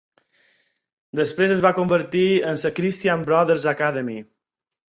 Després es va convertir en la Christian Brothers Academy.